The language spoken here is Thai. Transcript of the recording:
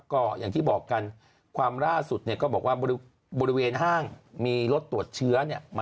ก็อย่างที่บอกกันความล่าสุดเนี่ยก็บอกว่าบริเวณห้างมีรถตรวจเชื้อเนี่ย